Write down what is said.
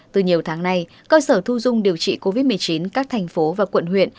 từ nhiều tháng nay cơ sở thu dung điều trị covid một mươi chín các thành phố và quận huyện